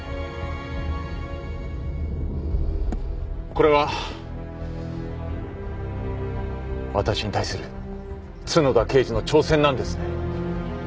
これはわたしに対する角田刑事の挑戦なんですね？